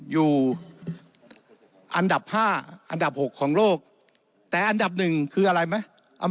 อยู่อันดับ๕อันดับ๖ของโลกแต่อันดับหนึ่งคืออะไรไหม